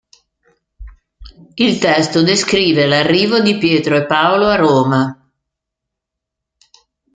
Il testo descrive l'arrivo di Pietro e Paolo a Roma.